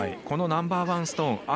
このナンバーワンストーン